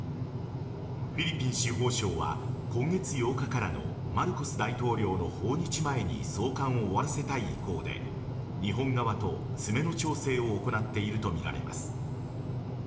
フィリピン司法省は今月８日からのマルコス大統領の訪日前に送還を終わらせたい意向で日本側と詰めの調整を行っているとみられます。